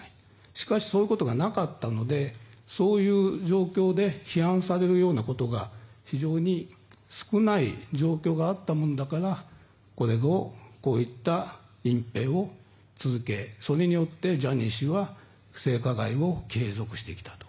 しかし、そのことがなかったのでそういう状況で批判をされるようなことが非常に少ない状況があったものだからこういった隠ぺいを続けそれによってジャニー氏は性加害を継続してきたと。